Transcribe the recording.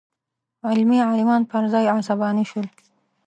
علمي عالمان پر ځای عصباني شول.